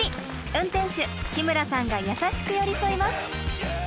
運転手日村さんが優しく寄り添います。